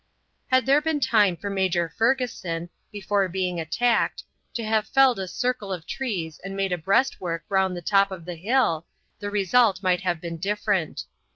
Had there been time for Major Fergusson, before being attacked, to have felled a circle of trees and made a breastwork round the top of the hill, the result might have been different.